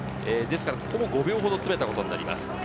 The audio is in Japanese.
ですから、ここも５秒ほど詰めたことになります。